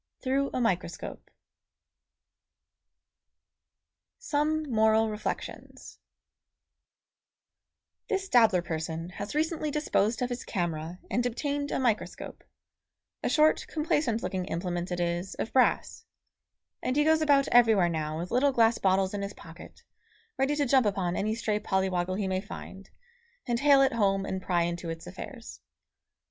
THROUGH A MICROSCOPE SOME MORAL REFLECTIONS This dabbler person has recently disposed of his camera and obtained a microscope a short, complacent looking implement it is, of brass and he goes about everywhere now with little glass bottles in his pocket, ready to jump upon any stray polly woggle he may find, and hale it home and pry into its affairs.